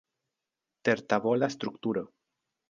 Tertavola strukturo.